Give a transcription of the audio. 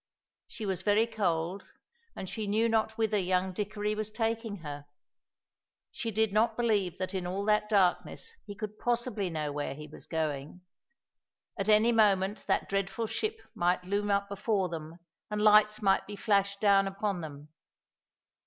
She was very cold, and she knew not whither young Dickory was taking her. She did not believe that in all that darkness he could possibly know where he was going; at any moment that dreadful ship might loom up before them, and lights might be flashed down upon them.